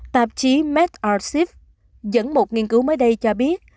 s r schiff dẫn một nghiên cứu mới đây cho biết